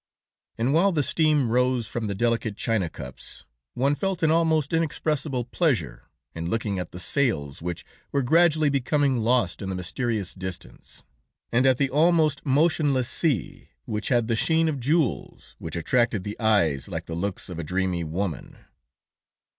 And while the steam rose from the delicate china cups, one felt an almost inexpressible pleasure in looking at the sails, which were gradually becoming lost in the mysterious distance, and at the almost motionless sea, which had the sheen of jewels, which attracted the eyes like the looks of a dreamy woman.